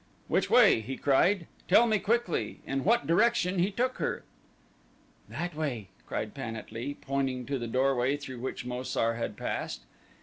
"Which way?" he cried. "Tell me quickly, in what direction he took her." "That way," cried Pan at lee, pointing to the doorway through which Mo sar had passed.